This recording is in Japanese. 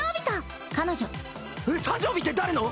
えっ誕生日って誰の？